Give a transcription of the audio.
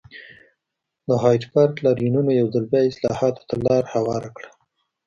د هایډپارک لاریونونو یو ځل بیا اصلاحاتو ته لار هواره کړه.